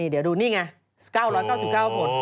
เดี๋ยวดูนี่ไง๙๙๙ผล